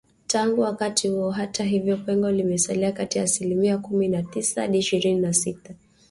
Tangu wakati huo, hata hivyo, pengo limesalia kati ya asilimia kumi na tisa hadi isihirini na sita